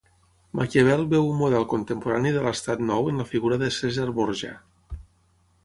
Maquiavel veu un model contemporani de l'estat nou en la figura de Cèsar Borja.